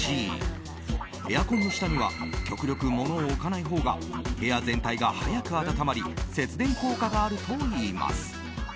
エアコンの下には極力、物を置かないほうが部屋全体が早く暖まり節電効果があるといいます。